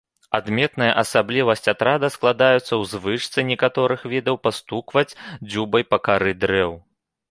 Адметная асаблівасць атрада складаецца ў звычцы некаторых відаў пастукваць дзюбай па кары дрэў.